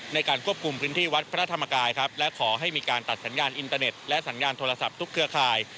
ในการควบคุมพื้นที่วัดพระธรรมกายครับและขอให้มีการตัดสัญญาณอินเตอร์เน็ตและสัญญาณโทรศัพท์ทุกเครือข่าย